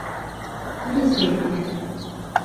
Cruzeta